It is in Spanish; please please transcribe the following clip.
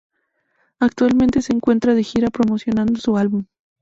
Actualmente se encuentran de gira promocionando su álbum.